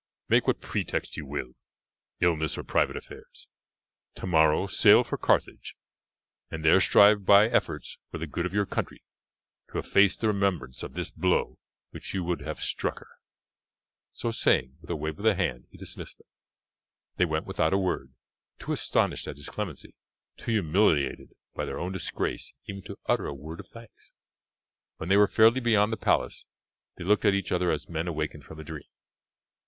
Make what pretext you will illness or private affairs. Tomorrow sail for Carthage, and there strive by efforts for the good of your country to efface the remembrance of this blow which you would have struck her." So saying, with a wave of the hand he dismissed them. They went without a word, too astonished at his clemency, too humiliated by their own disgrace even to utter a word of thanks. When they were fairly beyond the palace they looked at each other as men awakened from a dream.